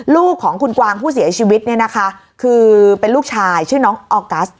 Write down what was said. ลูกของคุณกวางผู้เสียชีวิตเนี่ยนะคะคือเป็นลูกชายชื่อน้องออกัส